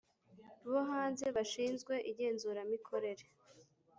Bo hanze bashinzwe igenzuramikorere